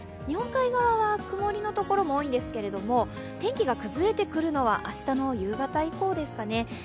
日本海側は曇りの所も多いんですけれども天気が崩れてくるのは明日の夕方以降ですかね。